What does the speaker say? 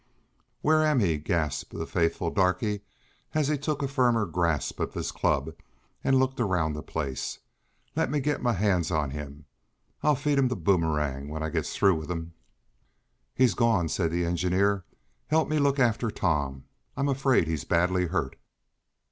"Whar am he?" gasped the faithful darky, as he took a firmer grasp of his club and looked around the place. "Let me git mah hands on him! I'll feed him t' Boomerang, when I gits froo wif him!" "He's gone," said the engineer. "Help me look after Tom. I'm afraid he's badly hurt."